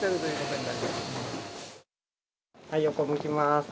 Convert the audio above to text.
はい、横向きます。